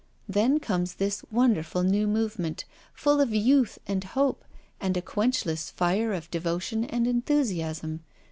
Then comes this wonder ful new movement, full of youth and hope and a quenchless fire of devotion and enthusiasm.